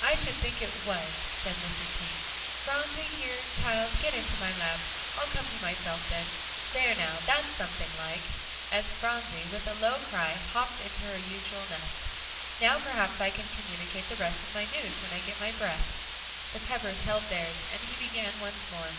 "I should think it was," said Mr. King. "Phronsie, here, child, get into my lap. I'll come to myself then. There, now, that's something like," as Phronsie, with a low cry, hopped into her usual nest. "Now perhaps I can communicate the rest of my news, when I get my breath." The Peppers held theirs, and he began once more.